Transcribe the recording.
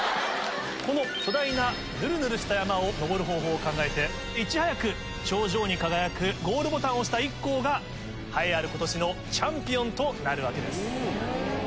この巨大なヌルヌルした山を登る方法を考えていち早く頂上に輝くゴールボタンを押した１校が栄えある今年のチャンピオンとなるわけです。